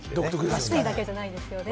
安いだけではないですよね。